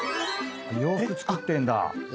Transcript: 洋服作ってんだ。